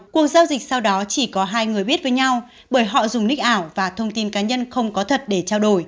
cuộc giao dịch sau đó chỉ có hai người biết với nhau bởi họ dùng nick ảo và thông tin cá nhân không có thật để trao đổi